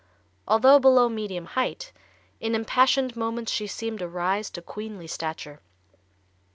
Although below medium height, in impassioned moments she seemed to rise to queenly stature.